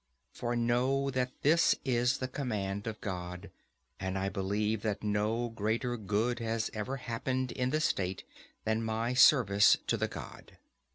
For know that this is the command of God; and I believe that no greater good has ever happened in the state than my service to the God.